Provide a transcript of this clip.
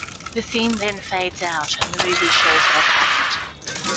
The scene then fades out, and the movie shows what happened.